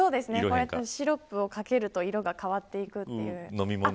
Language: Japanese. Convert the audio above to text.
シロップをかけると色が変わっていくという。